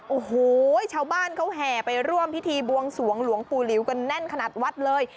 โอ้โหชาวบ้านเขาแห่ไปร่วมพิธีบวงสวงหลวงปู่หลิวกันแน่นขนาดวัดเลย